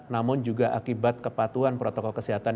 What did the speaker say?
namun juga akibat kepatuhan protokol kesehatan